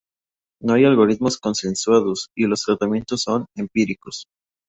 No hay algoritmos consensuados y los tratamientos son empíricos.